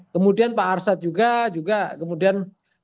kemudian pak arsad juga juga kemudian